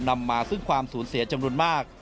นำมาซึ่งความสูญเสียจำนวนมาก